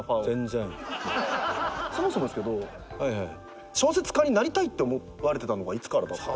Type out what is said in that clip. そもそもですけど小説家になりたいって思われてたのがいつからだった。